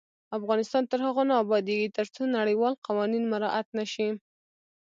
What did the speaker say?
افغانستان تر هغو نه ابادیږي، ترڅو نړیوال قوانین مراعت نشي.